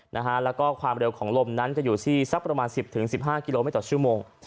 นะฮะแล้วก็ความเร็วของลมนั้นก็อยู่ที่สักประมาณสิบถึงสิบห้ากิโลเมตรชั่วโมง